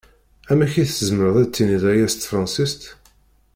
Amek i tzemreḍ ad d-tiniḍ aya s tefṛansist?